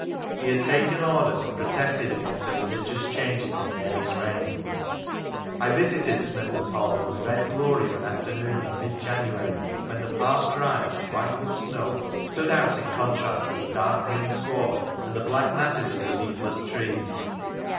He had taken Orders, and protested against the religious changes in Mary's reign. I visited Smithills Hall in the red glory of an afternoon in mid January, when the park drives, white with snow, stood out in contrast to the dark green sward and the black masses of the leafless trees.